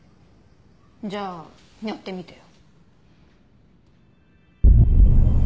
じゃあやってみてよ。